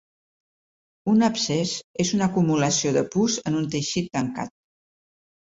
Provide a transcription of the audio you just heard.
Un abscés és una acumulació de pus en un teixit tancat.